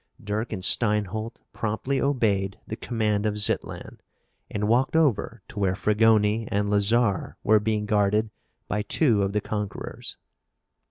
Dirk and Steinholt promptly obeyed the command of Zitlan and walked over to where Fragoni and Lazarre were being guarded by two of the conquerors.